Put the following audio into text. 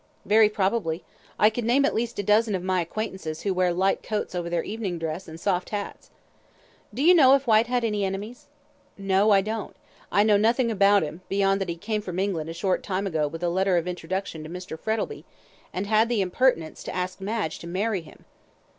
"Very probably. I could name at least a dozen of my acquaintances who wear light coats over their evening dress, and soft hats." "Do you know if Whyte had any enemies?" "No, I don't; I know nothing about him, beyond that he came from England a short time ago with a letter of introduction to Mr. Frettlby, and had the impertinence to ask Madge to marry him."